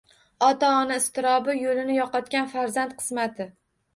Ota-ona iztirobi, yoʻlini yoʻqotgan farzand qismati